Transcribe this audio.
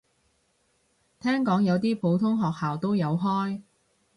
聽講有啲普通學校都有開